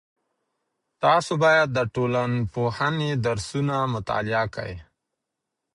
تاسې باید د ټولنپوهنې درسونه مطالعه کړئ.